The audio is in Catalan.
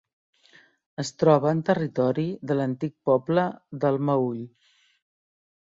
Es troba en territori de l'antic poble del Meüll.